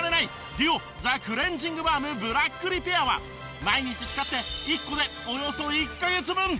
ＤＵＯザクレンジングバームブラックリペアは毎日使って１個でおよそ１カ月分！